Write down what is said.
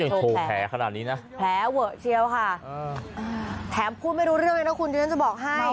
อ๋อมีใครโทรแพ้แพ้เวอร์เชียวค่ะแถมพูดไม่รู้เรื่องยังไงนะคุณจริงจะบอกให้